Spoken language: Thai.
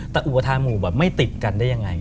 แต่อุปทานหมู่แบบไม่ติดกันได้ยังไง